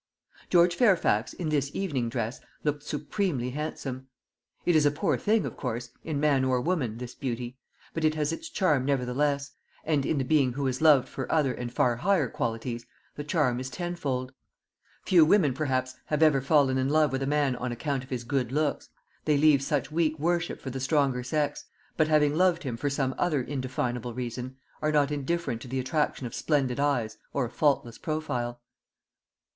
George Fairfax, in this evening dress, looked supremely handsome. It is a poor thing, of course, in man or woman, this beauty; but it has its charm nevertheless, and in the being who is loved for other and far higher qualities, the charm is tenfold. Few women perhaps have ever fallen in love with a man on account of his good looks; they leave such weak worship for the stronger sex; but having loved him for some other indefinable reason, are not indifferent to the attraction of splendid eyes or a faultless profile.